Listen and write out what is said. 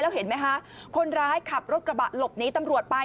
เห็นไหมคะคนร้ายขับรถกระบะหลบหนีตำรวจไป